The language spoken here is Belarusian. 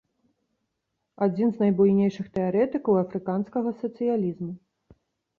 Адзін з найбуйнейшых тэарэтыкаў афрыканскага сацыялізму.